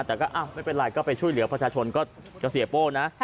แต่ก็ไม่เป็นไรก็ไปช่วยเหลือประชาชนก็จะเสียโป้นะ